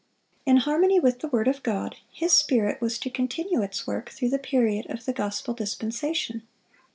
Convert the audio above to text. In harmony with the word of God, His Spirit was to continue its work throughout the period of the gospel dispensation.